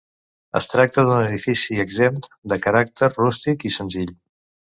Es tracta d'un edifici exempt, de caràcter rústic i senzill.